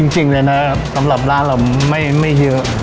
จริงเลยนะสำหรับร้านเราไม่เยอะ